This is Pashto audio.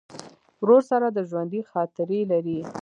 ورور سره د ژوندي خاطرې لرې.